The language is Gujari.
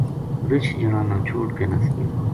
رِچھ جنا نا چھوڈ کے نَس گیو